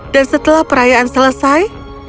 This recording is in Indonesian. dan setelah perayaan selesai